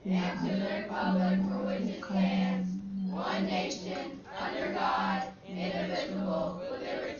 la habari kuna mambo kama manne ambayo ni changamoto kubwa Kwanza kuna Muswada wa